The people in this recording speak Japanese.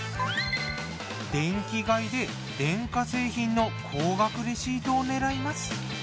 電気街で電化製品の高額レシートを狙います。